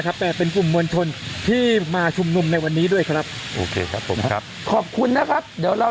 ทางกลุ่มมวลชนทะลุฟ้าทางกลุ่มมวลชนทะลุฟ้า